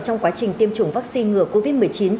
trong quá trình tiêm chủng vaccine ngừa covid một mươi chín